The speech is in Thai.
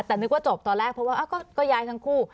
แต่นึกว่าจบตอนแรกเพราะว่าก็ย้ายทั้งคู่